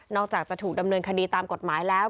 อกจากจะถูกดำเนินคดีตามกฎหมายแล้ว